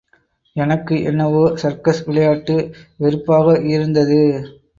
எனக்கு என்னவோ சர்க்கஸ் விளையாட்டு வெறுப்பாகயிருந்தது.